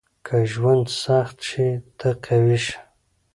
• که ژوند سخت شي، ته قوي شه.